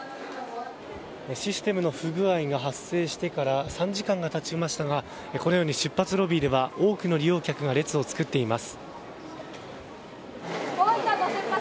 システム不具合が発生してから３時間が経ちましたがこのように出発ロビーでは多くの利用客が列を作っています。